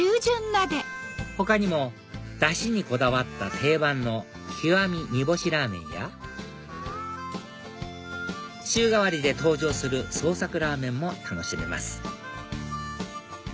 他にもダシにこだわった定番の極にぼしラーメンや週替わりで登場する創作ラーメンも楽しめます